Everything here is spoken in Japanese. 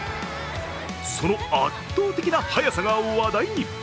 その圧倒的な速さが話題に。